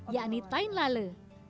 yakni tain lale